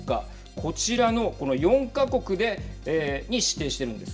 こちらのこの４か国に指定しているんです。